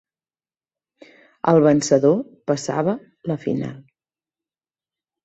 El vencedor passava la final.